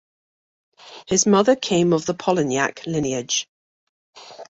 His mother came of the Polignac lineage.